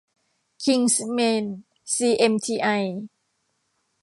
คิงส์เมน ซี เอ็ม ที ไอ